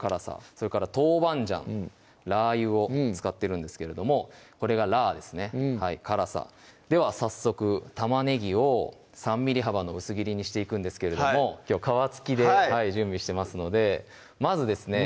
それから豆板醤・ラー油を使っているんですけれどもこれが「辣」ですね辛さでは早速玉ねぎを３ｍｍ幅の薄切りにしていくんですけれどもきょうは皮付きで準備してますのでまずですね